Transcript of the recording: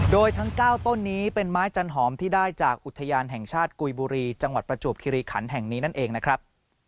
โดยทั้ง๙ต้นนี้เป็นไม้จันหอมที่ได้จากอุทยานแห่งชาติกุยบุรีจังหวัดประจวบคิริขันแห่งนี้นั่นเองนะครับ